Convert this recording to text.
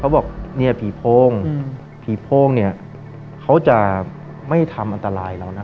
บอกเนี่ยผีโพ่งผีโพ่งเนี่ยเขาจะไม่ทำอันตรายเรานะ